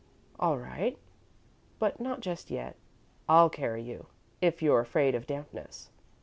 "All right, but not just yet. I'll carry you, if you're afraid of dampness."